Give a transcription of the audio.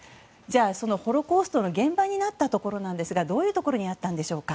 そのホロコーストの現場になったところですがどういうところにあったんでしょう。